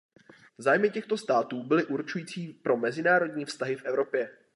Zájmy těchto států byly určující pro mezinárodní vztahy v Evropě.